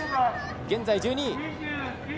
現在１２位。